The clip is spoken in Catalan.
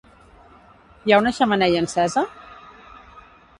Hi ha una xemeneia encesa?